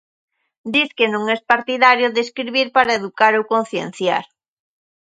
Dis que non es partidario de escribir para educar ou concienciar.